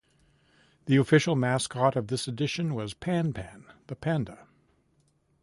The official mascot of this edition was PanPan, the panda.